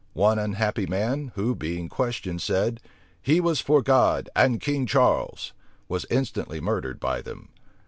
One unhappy man, who, being questioned, said, "he was for God and King Charles," was instantly murdered by them.